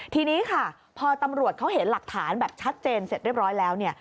ทีนี้ค่ะพอตำรวจเขาเห็นหลักฐานแบบชัดเจนเสร็จเรียบร้อยแล้วเนี่ย